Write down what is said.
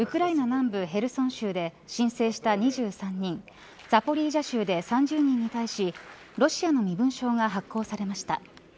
南部ヘルソン州で申請した２３人ザポリージャ州で３０人に対しロシアの身分証が発行されました。